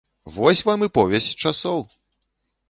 Вось вам і повязь часоў!